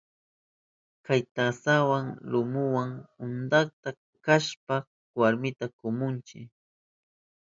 Chay tasaka lumuwa untakta kashpan warmita kumuchin.